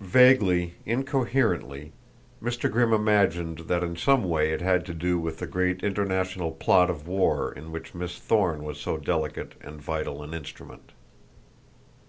Vaguely, incoherently, Mr. Grimm imagined that in some way it had to do with the great international plot of war in which Miss Thorne was so delicate and vital an instrument.